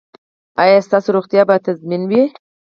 ایا ستاسو روغتیا به تضمین وي؟